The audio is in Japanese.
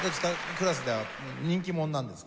クラスでは人気者なんですか？